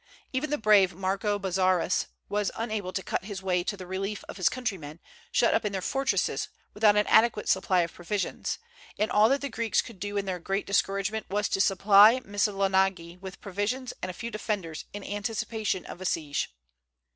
Even the brave Marco Bozzaris was unable to cut his way to the relief of his countrymen, shut up in their fortresses without an adequate supply of provisions; and all that the Greeks could do in their great discouragement was to supply Missolonghi with provisions and a few defenders, in anticipation of a siege.